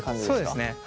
そうですね。